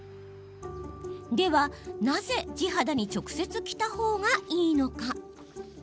では、なぜ地肌に直接着たほうがいいのか。